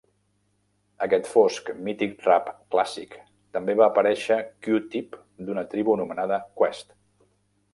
Aquest fosc, mític rap clàssic també va aparèixer Q-tip d'una tribu anomenada Quest.